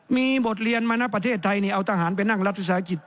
มีบทเรียนมานะประเทศไทยเอาทหารไปนั่งรัฐวิสาหกิจ